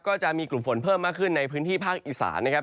ก็จะมีกลุ่มฝนเพิ่มมากขึ้นในพื้นที่ภาคอีสานนะครับ